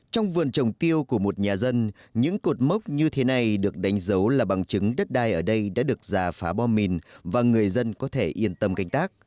trong vườn trồng tiêu của một nhà dân những cột mốc như thế này được đánh dấu là bằng chứng đất đai ở đây đã được giả phá bom mìn và người dân có thể yên tâm canh tác